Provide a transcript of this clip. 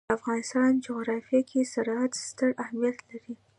د افغانستان جغرافیه کې زراعت ستر اهمیت لري.